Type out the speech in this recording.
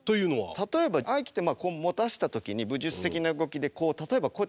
例えば合気ってこう持たせた時に武術的な動きでこう例えばこうやってずらすじゃないですか。